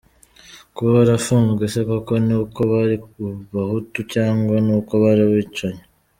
kuba barafunzwe ese koko ni uko bari abahutu, cyangwa n’uko bari abicanyi !